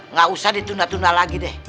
nggak usah ditunda tunda lagi deh